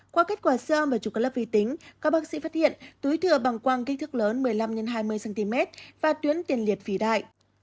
qua kết quả xe ôm và chụp các lớp vi tính các bác sĩ phát hiện túi thừa bằng quang kích thước lớn một mươi năm x hai mươi cm và tuyến tiền liệt phỉ đại